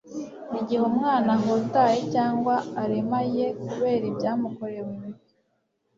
igihe umwana ahutaye cyangwa aremaye kubera ibyamukorewe bibi